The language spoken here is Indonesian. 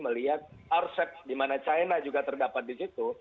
melihat arsep di mana china juga terdapat di situ